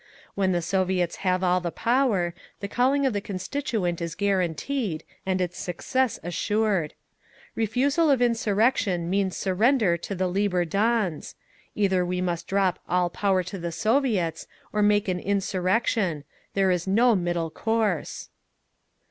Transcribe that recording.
When the Soviets have all the power, the calling of the Constituent is guaranteed, and its success assured. "Refusal of insurrection means surrender to the 'Lieber Dans.' Either we must drop 'All Power to the Soviets' or make an insurrection; there is no middle course."